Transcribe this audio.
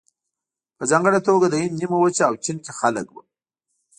په ځانګړې توګه د هند نیمه وچه او چین کې خلک وو.